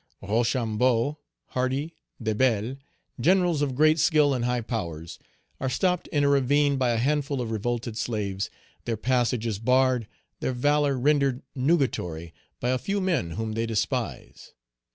Rochambeau, Hardy, Debelle, generals of great skill and high powers, are stopped in a ravine by a handful of revolted slaves! their passage is barred, their valor rendered nugatory by a few men whom they despise!